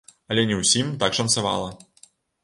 Але не ўсім так шанцавала.